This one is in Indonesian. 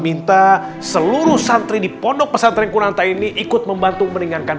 minta seluruh santri dipondok pesantren kurang tahini ikut membantu meninggalkan